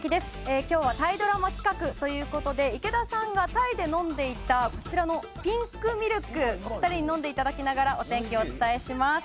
今日はタイドラマ企画ということで池田さんがタイで飲んでいたピンクミルクを２人に飲んでいただきながらお天気をお伝えします。